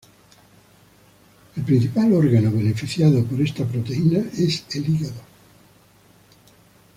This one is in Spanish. El principal órgano beneficiado por esta proteína, es el hígado.